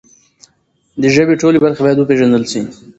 د ژبې ټولې برخې باید وپیژندل سي.